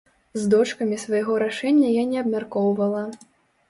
З дочкамі свайго рашэння я не абмяркоўвала.